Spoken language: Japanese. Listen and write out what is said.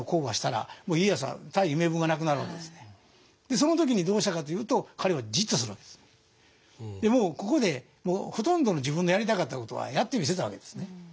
その時にどうしたかというともうここでほとんどの自分のやりたかったことはやってみせたわけですね。